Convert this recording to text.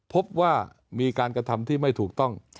พบว่ามีการกระทำที่ไม่ถูกต้อง